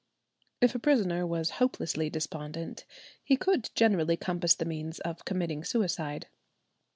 If a prisoner was hopelessly despondent, he could generally compass the means of committing suicide.